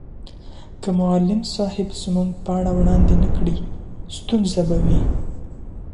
که معلم صاحب زموږ پاڼه وړاندي نه کړي، ستونزه به وي.